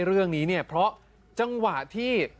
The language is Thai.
เรื่องนี้เนี่ยเพราะจังหวะที่